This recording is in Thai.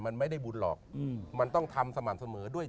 มันไม่ได้บุญหรอกมันต้องทำสม่ำเสมอด้วย